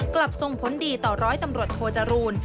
กลับส่งผลดีต่อร้อยตำรวจโทจรูล